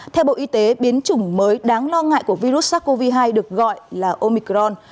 theo bộ y tế biến chủng mới đáng lo ngại của virus sars cov hai được gọi là omicron